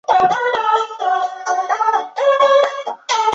由南宁铁路局梧州车务段管辖。